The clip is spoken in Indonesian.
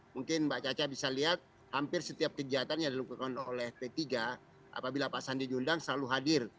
mungkin mbak caca bisa lihat hampir setiap kegiatan yang dilakukan oleh p tiga apabila pak sandi diundang selalu hadir